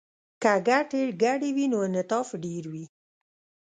که ګټې ګډې وي نو انعطاف ډیر وي